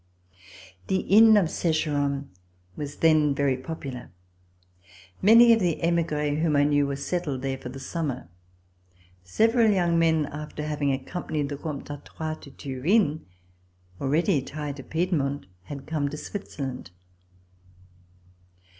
The inn of Secheron was then very popular. I\Liny of the emigres whom I knew were settled there for the summer. Several young men, after having ac companied the Comte d'Artois to Turin, already tired of Piemont, had come to Switzerland.